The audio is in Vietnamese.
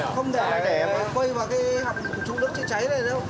không để quay vào cái hộp trụ nước chữa cháy này đâu